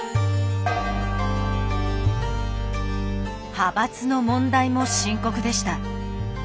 派閥の問題も深刻でした。